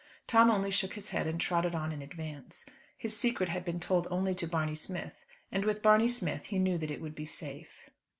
Tom only shook his head and trotted on in advance. His secret had been told only to Barney Smith, and with Barney Smith he knew that it would be safe.